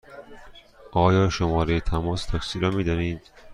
آیا شماره تماس تاکسی را می دانید؟